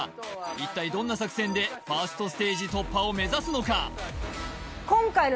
一体どんな作戦でファーストステージ突破を目指すのか？